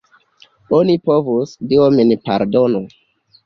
Oni povus, Dio min pardonu!